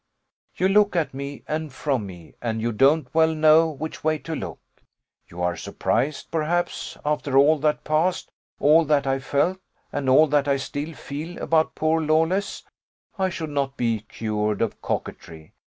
You look at me, and from me, and you don't well know which way to look. You are surprised, perhaps, after all that passed, all that I felt, and all that I still feel about poor Lawless, I should not be cured of coquetry.